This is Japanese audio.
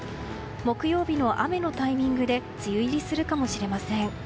木曜日の雨のタイミングで梅雨入りするかもしれません。